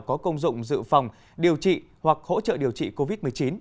có công dụng dự phòng điều trị hoặc hỗ trợ điều trị covid một mươi chín